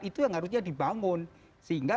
itu yang harusnya dibangun sehingga